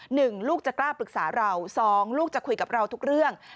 ลูกจะกล้าปรึกษาเราสองลูกจะคุยกับเราทุกเรื่อง